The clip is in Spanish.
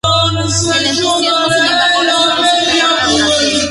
El entusiasmo, sin embargo, resultó ser de corta duración.